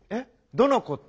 どの子って？